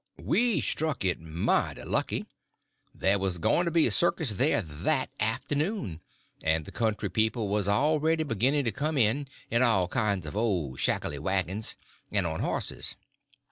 We struck it mighty lucky; there was going to be a circus there that afternoon, and the country people was already beginning to come in, in all kinds of old shackly wagons, and on horses.